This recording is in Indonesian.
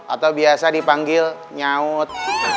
atau biasa dipanggil nyaut